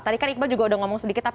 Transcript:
tadi kan iqbal juga udah ngomong sedikit